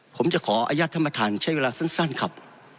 ผมจะขออายุทธรรมฐานใช้เวลาสั้นครับ